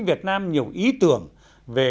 việt nam nhiều ý tưởng về